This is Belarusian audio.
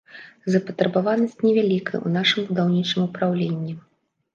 Запатрабаванасць невялікая ў нашым будаўнічым упраўленні.